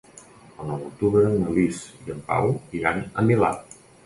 El nou d'octubre na Lis i en Pau iran al Milà.